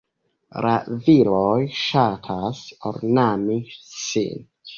La viroj ŝatas ornami sin.